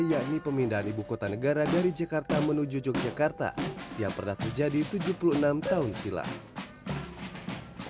yakni pemindahan ibu kota negara dari jakarta menuju yogyakarta yang pernah terjadi tujuh puluh enam tahun silam